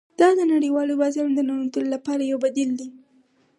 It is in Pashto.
دا د نړیوالو بازارونو د ننوتلو لپاره یو بدیل دی